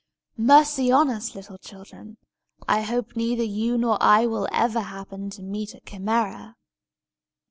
Mercy on us, little children, I hope neither you nor I will ever happen to meet a Chimæra!